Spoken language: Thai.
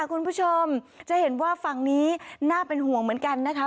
คุณผู้ชมจะเห็นว่าฝั่งนี้น่าเป็นห่วงเหมือนกันนะคะ